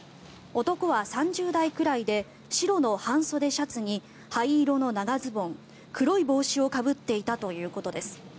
男は３０代くらいで白の半袖シャツに灰色の長ズボン黒い帽子をかぶっていたということです。